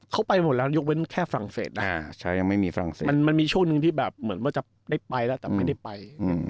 เขาไปหมดแล้วยกเป็นแค่ฟรั่งเฟสมันมีช่วงนึงที่แบบเหมือนว่าจะได้ไปแล้วแต่ไม่ได้ไป